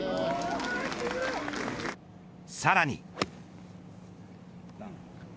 さらに。